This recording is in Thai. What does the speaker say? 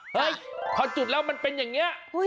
เพราะจุดล๋อมันเป็นอย่างเนี้ย